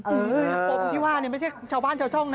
คือปมที่ว่านี่ไม่ใช่ชาวบ้านชาวช่องนะ